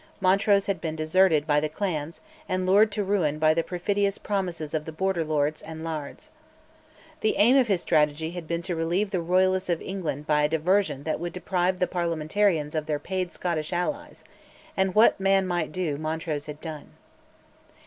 Montrose had been deserted by the clans, and lured to ruin by the perfidious promises of the Border lords and lairds. The aim of his strategy had been to relieve the Royalists of England by a diversion that would deprive the Parliamentarians of their paid Scottish allies, and what man might do Montrose had done.